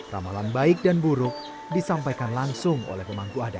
ramalan baik dan buruk disampaikan langsung oleh pemangku adat